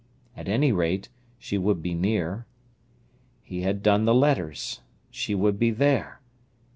At any rate, she would be near. He had done the letters. She would be there.